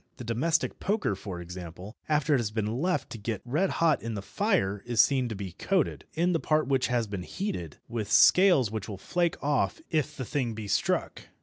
The domestic poker, for example, after it has been left to get red hot in the fire is seen to be coated, in the part which has been heated, with scales which will flake off if the thing be struck.